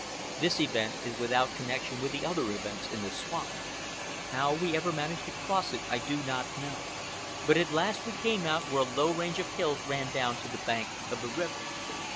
This event is without connection with the other events in the swamp. How we ever managed to cross it, I do not know, but at last we came out where a low range of hills ran down to the bank of the river.